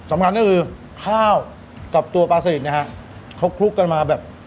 สำคัญก็คือข้าวกับตัวปลาสลิดนะฮะเขาคลุกกันมาแบบ